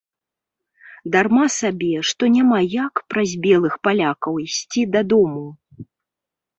Дарма сабе, што няма як, праз белых палякаў, ісці дадому.